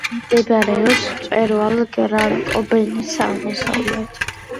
მდებარეობს მწვერვალ გრან-კომბენის აღმოსავლეთით.